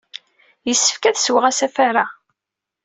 Yessefk ad sweɣ asafar-a.